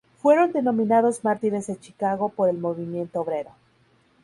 Fueron denominados "Mártires de Chicago" por el movimiento obrero.